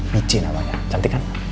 mieci namanya cantik kan